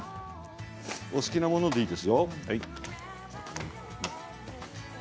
お好きなものでいいですよ。